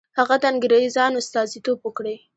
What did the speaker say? هغه د انګرېزانو استازیتوب وکړي.